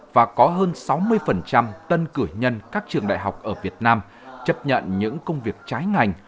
và có hơn sáu mươi tân cử nhân các trường đại học ở việt nam chấp nhận những công việc trái ngành